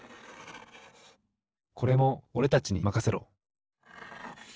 これもおれたちにまかせろ！